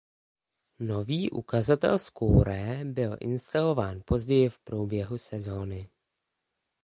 Nový ukazatel skóre byl instalován později v průběhu sezóny.